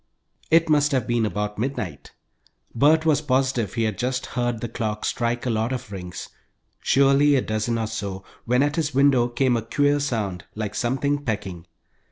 It must have been about midnight, Bert was positive he had just heard the clock strike a lot of rings, surely a dozen or so, when at his window came a queer sound, like something pecking.